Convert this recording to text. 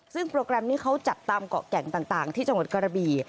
ซึ่งโปรแกรมนี้เขาจัดตามเกาะแก่งต่างที่จังหวัดกระบี